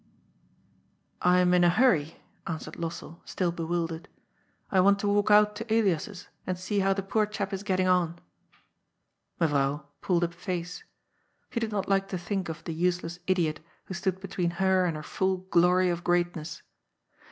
" I am in a hurry," answered Lossell, still bewildered, " I want to walk out to Elias's and see how the poor chap is getting on." Mevrouw pulled a face. She did not like to think of the useless idiot who stood between her and her full glory of greatness.